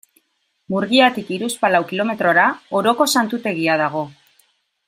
Murgiatik hiruzpalau kilometrora Oroko Santutegia dago.